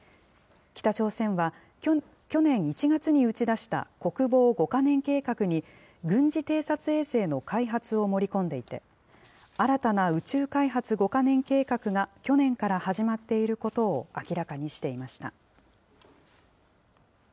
北朝鮮は、去年１月に打ち出した国防５か年計画に軍事偵察衛星の開発を盛り込んでいて、新たな宇宙開発５か年計画が去年から始まっていることを明らかにしていました。